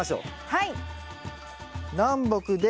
はい。